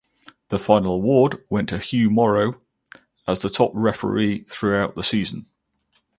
The final award went to Hugh Morrow as the top referee throughout the season.